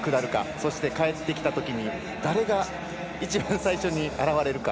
そして帰ってきたときに誰が一番最初に現れるか